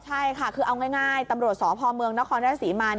ใช่ค่ะคือเอาง่ายตำรวจสพเมืองนครราชศรีมา